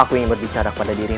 aku ingin berbicara kepada dirimu